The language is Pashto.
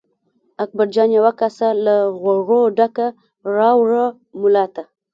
اکبرجان یوه کاسه له غوړو ډکه راوړه ملا ته.